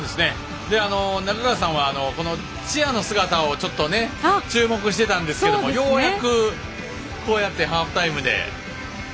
中川さんはチアの姿を少し注目していたんですけどもようやく、ハーフタイムで。